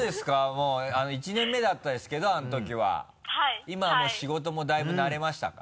もう１年目だったですけどあのときは今はもう仕事もだいぶ慣れましたか？